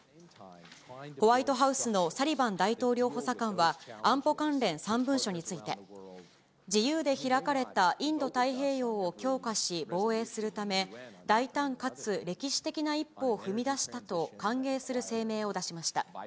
ホワイトハウスのサリバン大統領補佐官は安保関連３文書について、自由で開かれたインド太平洋を強化し、防衛するため、大胆かつ歴史的な一歩を踏み出したと歓迎する声明を出しました。